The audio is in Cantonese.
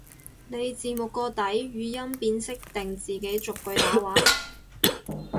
你字幕個底語音辨識定自己逐句打話？